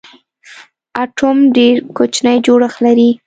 اټوم ډېر کوچنی جوړښت لري.